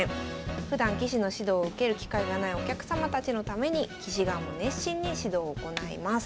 ふだん棋士の指導を受ける機会がないお客様たちのために棋士側も熱心に指導を行います。